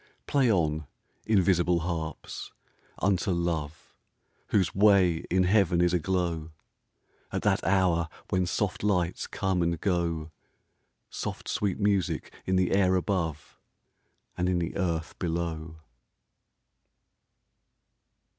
Play on, invisible harps, unto Love, Whose way in heaven is aglow At that hour when soft lights come and go, Soft sweet music in the air above And in the earth below.